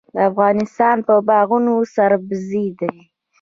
د افغانستان باغونه سرسبز دي